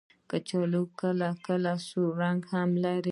کچالو کله کله سور رنګ هم لري